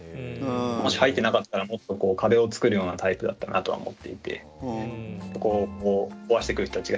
もし入ってなかったらもっと壁を作るようなタイプだったなとは思っていてそこを壊してくる人たちがいっぱいいたので。